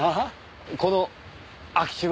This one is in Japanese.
この空き地は？